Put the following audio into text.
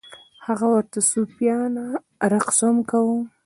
هغه ورته صوفیانه رقص هم کاوه.